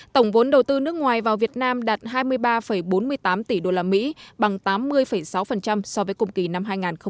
tổng vốn đầu tư nước ngoài vào việt nam đạt hai mươi ba bốn mươi tám tỷ usd bằng tám mươi sáu so với cùng kỳ năm hai nghìn một mươi tám